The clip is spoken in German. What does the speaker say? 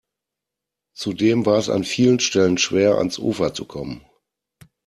Zudem war es an vielen Stellen schwer, ans Ufer zu kommen.